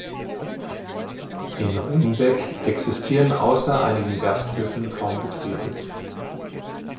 In Rumbeck existieren außer einigen Gasthöfen kaum Betriebe.